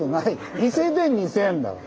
伊勢で２，０００だから。